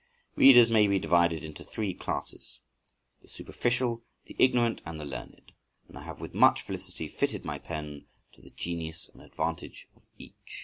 Readers may be divided into three classes—the superficial, the ignorant, and the learned, and I have with much felicity fitted my pen to the genius and advantage of each.